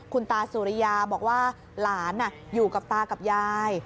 คุณตาสุริยาบอกว่าหลานอยู่กับตากับยาย